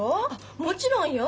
もちろんよ。